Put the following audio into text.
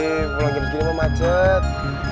ihh pulang gini segini mah macet